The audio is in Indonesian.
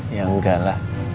ya engga lah